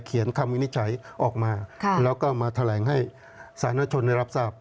คำวินิจฉัยออกมาแล้วก็มาแถลงให้สาธารณชนได้รับทราบ